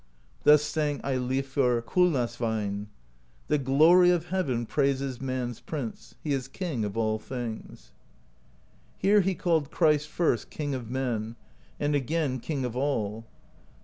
Thus sang Eilifr Kulnasveinn: The Glory of Heaven praises Man's Prince: He is King of all things. Here he called Christ, first. King of Men, and again, King of All.